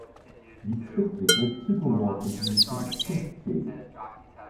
Die zwittrige, zygomorphe Blüte ist fünfzählig.